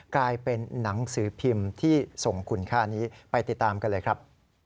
กลายเป็นหนังสือพิมพ์ที่ส่งคุณค่านี้ไปติดตามกันเลยครับ